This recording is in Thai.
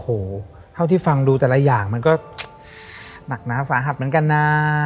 โอ้โหเท่าที่ฟังดูแต่ละอย่างมันก็หนักหนาสาหัสเหมือนกันนะ